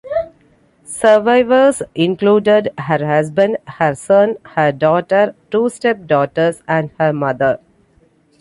Survivors included her husband, her son, her daughter, two stepdaughters, and her mother.